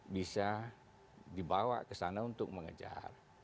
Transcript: bisa dibawa ke sana untuk mengejar